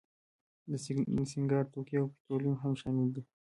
د سینګار توکي او پټرولیم هم شامل دي.